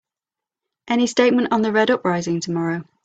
Any statement on the Red uprising tomorrow?